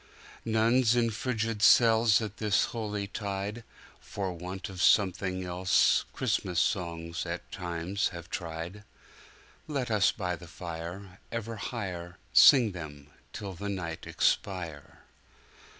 Nuns in frigid cells At this holy tide, For want of something else, Christmas songs at times have tried. Let us by the fire Ever higherSing them till the night expire!